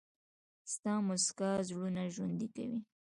• ستا موسکا زړونه ژوندي کوي.